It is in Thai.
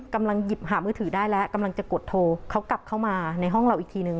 กำลังหยิบหามือถือได้แล้วกำลังจะกดโทรเขากลับเข้ามาในห้องเราอีกทีนึง